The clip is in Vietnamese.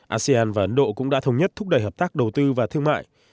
asean và ấn độ cũng đã thống nhất thúc đẩy hợp tác đầu tư và thương mại